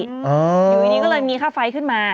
อยู่ดีก็เลยมีค่าไฟขึ้นมา